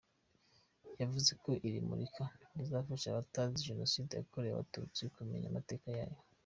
Yavuze ko iri murika rizafasha abatazi Jenoside yakorewe Abatutsi kumenya amateka yayo.